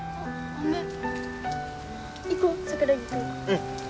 うん。